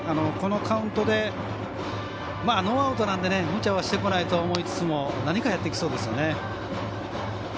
このカウントでノーアウトなんで無茶はしてこないと思いつつも何かやってきそうですよね。